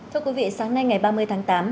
thưa quý vị sáng nay ngày ba mươi tháng tám